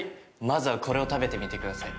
まずはこれを食べてみてください。